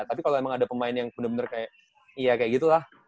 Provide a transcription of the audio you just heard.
tapi kalau emang ada pemain yang bener bener kayak gitu lah